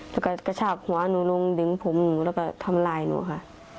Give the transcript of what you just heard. แต่ก็จับหัวเลยนะลงดึงผมหนูแล้วก็ทำร้ายหนูค่ะ